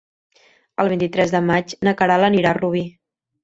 El vint-i-tres de maig na Queralt anirà a Rubí.